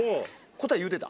答え言うてた？